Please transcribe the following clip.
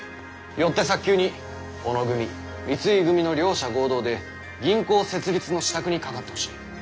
よって早急に小野組三井組の両者合同で銀行設立の支度にかかってほしい。